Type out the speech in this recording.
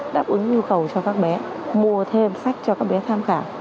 đáp ứng nhu cầu cho các bé mua thêm sách cho các bé tham khảo